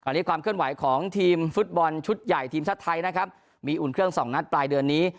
อันนี้ความเคลื่อนไหวของทีมฟุตบอลชุดใหญ่ทีมชาติไทยนะครับมีอุ่นเครื่องสองนัดปลายเดือนนี้